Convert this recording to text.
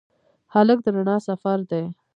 هلک د رڼا سفر دی.